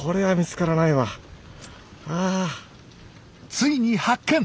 ついに発見！